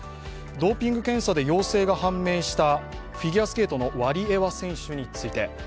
ドーピング検査で陽性が判明したフィギュアスケートのワリエワ選手について。